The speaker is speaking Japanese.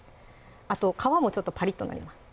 あと皮もちょっとパリッとなります